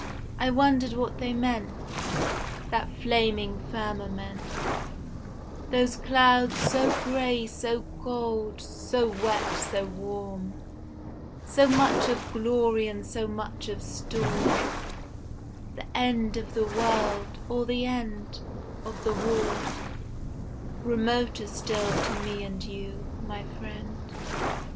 I wondered what they meant, That flaming firmament, Those clouds so grey so gold, so wet so warm, So much of glory and so much of storm, The end of the world, or the end Of the war remoter still to me and you, my friend.